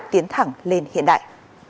tiến thẳng lên hiện đại